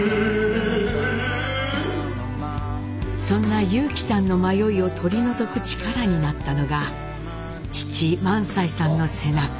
そんな裕基さんの迷いを取り除く力になったのが父萬斎さんの背中。